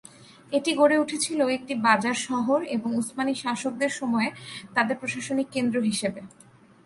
এটি গড়ে উঠেছিল একটি বাজার শহর এবং উসমানি শাসকদের সময়ে তাদের প্রশাসনিক কেন্দ্র হিসেবে।